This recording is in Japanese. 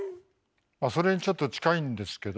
それにちょっと近いんですけど。